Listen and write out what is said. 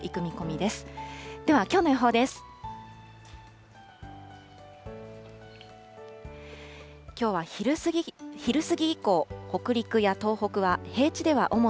ではきょうの予報です。